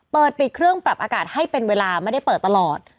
เปิดปิดเครื่องปรับอากาศให้เป็นเวลาไม่ได้เปิดตลอด